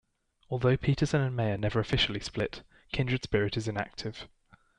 Although Peterson and Maher never officially split, Kindred Spirit is inactive.